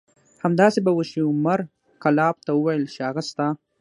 همداسې به وشي. عمر کلاب ته وویل چې هغه ستا